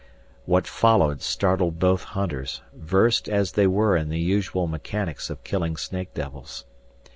What followed startled both hunters, versed as they were in the usual mechanics of killing snake devils.